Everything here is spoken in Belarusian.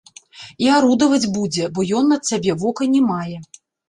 І арудаваць будзе, бо ён на цябе вока не мае.